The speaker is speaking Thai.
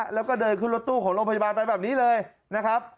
แล้วก็เดินขึ้นรถตู้ของโรงพยาบาลไปแบบนี้เลยนะครับ